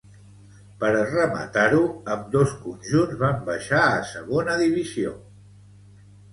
Per rematar-ho, ambdós conjunts van baixar a Segona Divisió.